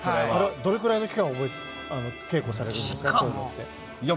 どれぐらいの期間、稽古されたんでしょうか。